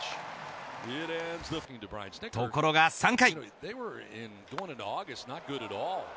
ところが３回。